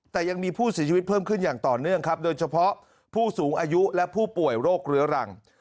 แต่ยังมีผู้เสียชีวิตเพิ่มขึ้นอย่างต่อเนื่องครับโดยเฉพาะผู้สูงอายุและผู้ป่วยโรคเรื้อรัง